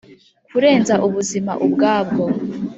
kurenza ubuzima ubwabwo